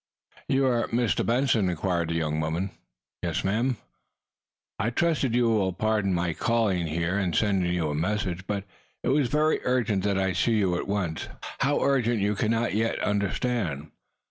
"You are Mr. Benson?" inquired the young woman. "Yes, madam." "I trust you will pardon my calling here, and sending you a message. But it was very urgent that I see you at once how urgent you cannot yet understand."